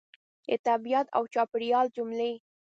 د طبیعت او چاپېریال جملې